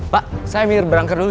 pak saya mirip berangkat dulu ya